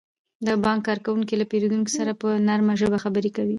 د بانک کارکوونکي له پیرودونکو سره په نرمه ژبه خبرې کوي.